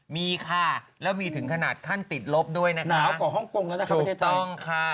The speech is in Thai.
มีค่ะแล้วมีถึงขนาดขั้นติดลบด้วยนะคะ